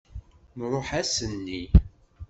Nruḥ ass-nni.